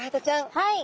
はい。